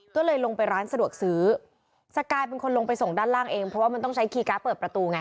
ก็เลยลงไปร้านสะดวกซื้อสกายเป็นคนลงไปส่งด้านล่างเองเพราะว่ามันต้องใช้คีย์การ์ดเปิดประตูไง